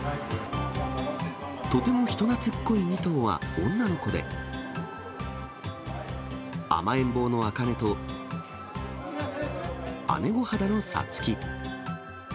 とても人なつっこい２頭は女の子で、甘えん坊のあかねと、姉御肌のさつき。